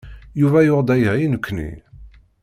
Yuba yuɣ-d aya i nekkni.